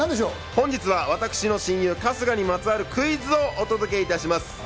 本日は私の親友・春日にまつわるクイズをお届けいたします。